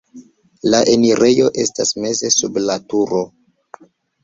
La enirejo estas meze sub la turo.